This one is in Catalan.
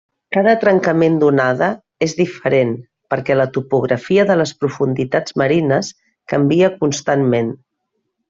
Cada trencament d'onada és diferent perquè la topografia de les profunditats marines canvia constantment.